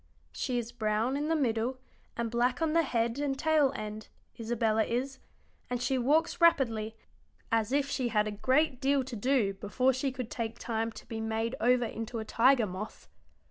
She is brown in the middle, and black on the head and tail end, Isabella is, and she walks rapidly, as if she had a great deal to do before she could take time to be made over into a tiger moth.